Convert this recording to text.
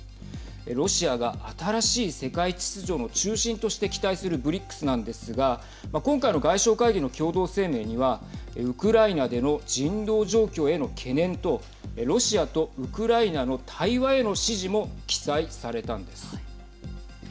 ロシアが新しい世界秩序の中心として期待するＢＲＩＣＳなんですが今回の外相会議の共同声明にはウクライナでの人道状況への懸念とロシアとウクライナの対話への支持も記載されたんです。